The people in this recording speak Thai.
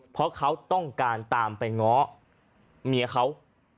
เพราะเขาต้องการตามไปง้อเมียเขา